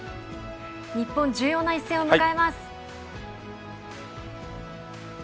日本、重要な一戦を迎えます。